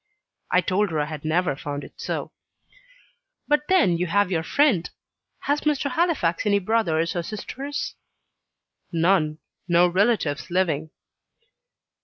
I told her I had never found it so. "But then you have your friend. Has Mr. Halifax any brothers or sisters?" "None. No relatives living."